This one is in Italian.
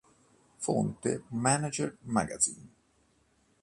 Fonte: "Manager Magazin".